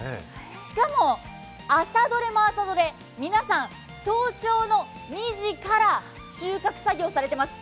しかも、朝どれも朝どれ、皆さん、早朝の２時から収穫作業をされています。